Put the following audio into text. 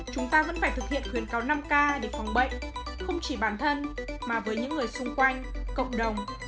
chúng ta có thể tiêm chủng đầy đủ để phòng bệnh không chỉ bản thân mà với những người xung quanh cộng đồng